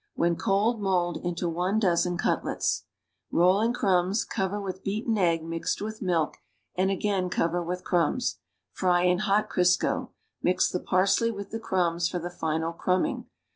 When cold mold into one dozen cutlets. K<jl! in crumbs, cover with beaten egg mixed with milk and again cover with crumbs. Fry in hot Crisco. Mix the parsley with the crumbs for the final crumbing.